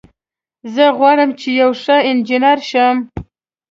زه غواړم چې یو ښه انجینر شم